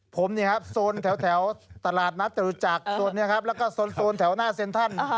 ผมนี่ครับโซนแถวตลาดนัดจรุจักรโซนนี้ครับแล้วก็โซนแถวหน้าเซ็นทรัล